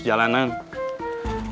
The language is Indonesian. cuma balik lagi ke rumah